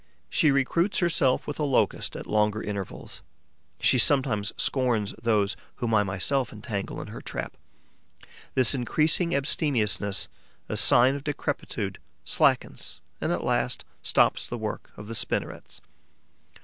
She recruits herself with a Locust at longer intervals; she sometimes scorns those whom I myself entangle in her trap. This increasing abstemiousness, a sign of decrepitude, slackens and at last stops the work of the spinnerets.